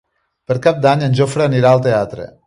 Per Cap d'Any en Jofre anirà al teatre.